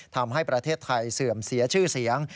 ทำให้ประเทศไทยเสื่อมเสียชื่อเสียง